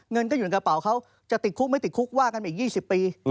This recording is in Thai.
เงินก็อยู่ในกระเป๋าเขาจะติดคุกไม่ติดคุกว่ากันมาอีก๒๐ปี